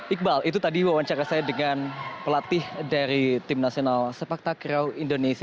iqbal itu tadi wawancara saya dengan pelatih dari tim nasional sepak takraw indonesia